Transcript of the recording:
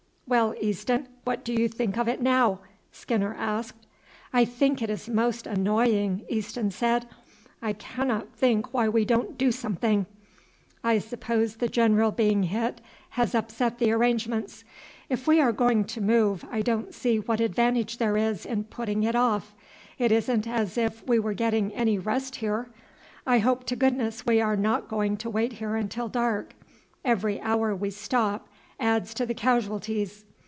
"Well, Easton, what do you think of it now?" Skinner asked. "I think it is most annoying," Easton said. "I cannot think why we don't do something. I suppose the general being hit has upset the arrangements. If we are going to move I don't see what advantage there is in putting it off; it isn't as if we were getting any rest here. I hope to goodness we are not going to wait here until dark; every hour we stop adds to the casualties.